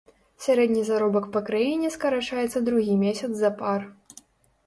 Сярэдні заробак па краіне скарачаецца другі месяц запар.